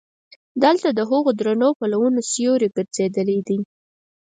دلته د هغو درنو پلونو سیوري ګرځېدلی دي.